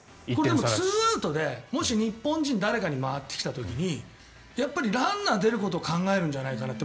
２アウトでもし日本人誰かに回ってきた時にやっぱり、ランナー出ることを考えるんじゃないかなって